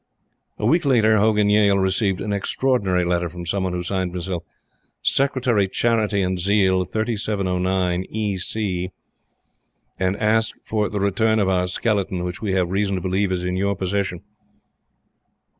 A week later, Hogan Yale received an extraordinary letter from some one who signed himself "Secretary Charity and Zeal, 3709, E. C.," and asked for "the return of our skeleton which we have reason to believe is in your possession."